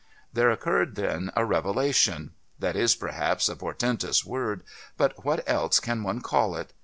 There occurred then a revelation.... That is perhaps a portentous word, but what else can one call it?